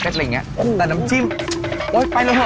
ใกล้น้ำจิ้มไปเลยเหอะ